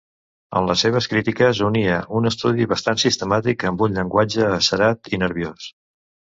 En les seves crítiques unia un estudi bastant sistemàtic amb un llenguatge acerat i nerviós.